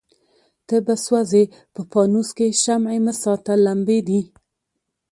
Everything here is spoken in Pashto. ته به سوځې په پانوس کي شمعي مه ساته لمبې دي